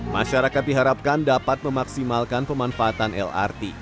masyarakat diharapkan dapat memaksimalkan pemanfaatan lrt